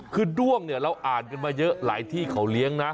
คือด้วงเนี่ยเราอ่านกันมาเยอะหลายที่เขาเลี้ยงนะ